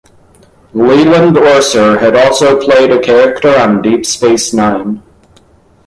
Leland Orser had also played a character on Deep Space Nine.